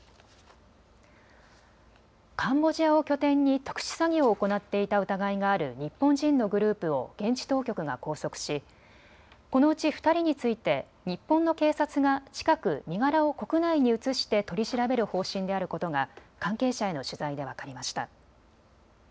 カンボジアを拠点に特殊詐欺を行っていた疑いがある日本人のグループを現地当局が拘束しこのうち２人について日本の警察が近く身柄を国内に移して取り調べる方針であることが関係者への取材で分かりました。